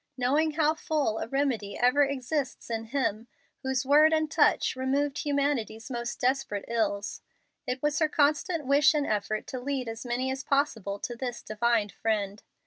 Knowing how full a remedy ever exists in Him whose word and touch removed humanity's most desperate ills, it was her constant wish and effort to lead as many as possible to this Divine Friend.